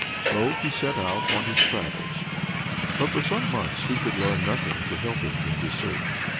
So he set out on his travels; but for some months he could learn nothing to help him in his search.